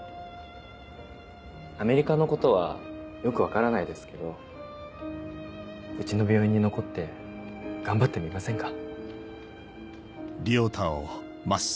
アメリカのことはよく分からないですけどうちの病院に残って頑張ってみませんか？